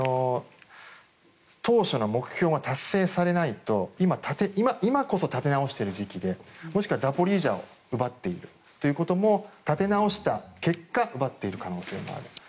当初の目標が達成されないと今こそ立て直している時期でもしくはザポリージャを奪っているということも立て直した結果奪っている可能性もある。